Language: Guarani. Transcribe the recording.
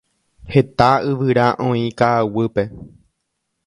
Heta yvyra oĩ ka'aguýpe.